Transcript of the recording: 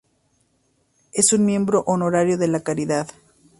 Es un miembro honorario de la caridad.